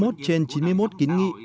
chín mươi một trên chín mươi một kiến nghị